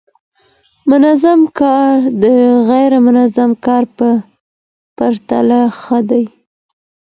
منظم کار د غیر منظم کار په پرتله ښه دی.